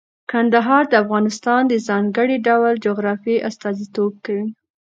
کندهار د افغانستان د ځانګړي ډول جغرافیه استازیتوب کوي.